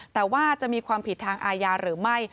แต่ว่าจะมีความผิดทางอาญาหรือไม่